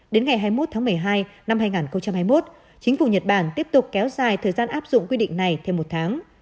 đến ngày hai mươi một tháng một mươi hai năm hai nghìn hai mươi một chính phủ nhật bản tiếp tục kéo dài thời gian áp dụng quy định này thêm một tháng